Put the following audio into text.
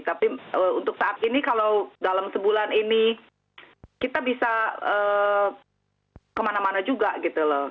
tapi untuk saat ini kalau dalam sebulan ini kita bisa kemana mana juga gitu loh